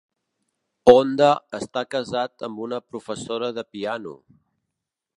Honda està casat amb una professora de piano.